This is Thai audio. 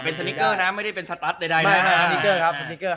เป็นสนิกเกอร์นะไม่ได้เป็นสตัสใด